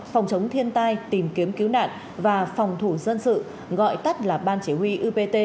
phòng chống thiên tai tìm kiếm cứu nạn và phòng thủ dân sự gọi tắt là ban chỉ huy upt